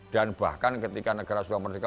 dan bahkan ketika negara sudah merdeka